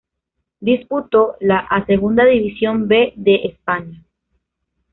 Disputó la a Segunda División B de España.